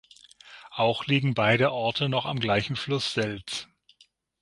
Auch liegen beide Orte noch am gleichen Fluss Selz.